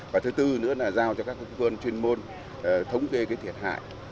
và thứ tư nữa là giao cho các quân chuyên môn thống kê thiệt hại